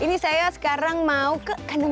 ini saya sekarang mau mencoba untuk mencoba ini